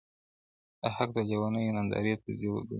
د حق د لېونیو نندارې ته ځي وګري-